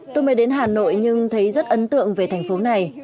tôi mới đến hà nội nhưng thấy rất ấn tượng về thành phố này